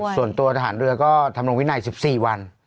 ส่วนตัวทหารเรือก็ทำลงวินัย๑๔วัน